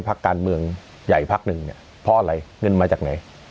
พักการเมืองใหญ่พักหนึ่งเนี่ยเพราะอะไรเงินมาจากไหน